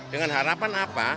dengan harapan apa